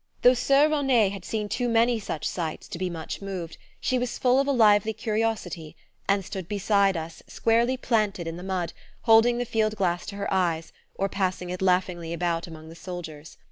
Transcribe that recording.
Though Soeur Rosnet had seen too many such sights to be much moved, she was full of a lively curiosity, and stood beside us, squarely planted in the mud, holding the field glass to her eyes, or passing it laughingly about among the soldiers.